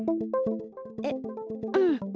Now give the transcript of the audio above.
えっうん。